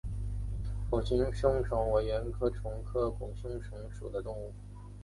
拱胸虫为圆管虫科拱胸虫属的动物。